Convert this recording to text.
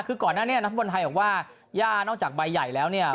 คือก่อนหน้านี้นักฟุตบอลไทยบอกว่าย่านอกจากใบใหญ่แล้วเนี่ย